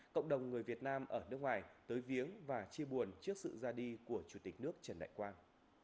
cộng đồng người việt nam ở nước ngoài tới viếng và chia buồn trước sự ra đi của chủ tịch nước trần đại quang